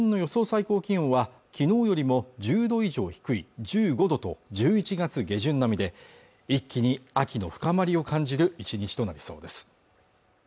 最高気温はきのうよりも１０度以上低い１５度と１１月下旬並みで一気に秋の深まりを感じる１日となりそうです